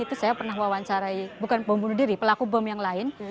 itu saya pernah wawancarai bukan bom bunuh diri pelaku bom yang lain